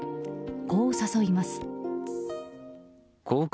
こう誘います。